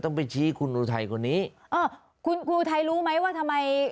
ไปชี้คุณอุทัยคนนี้อ่าคุณอุทัยรู้ไหมว่าทำไม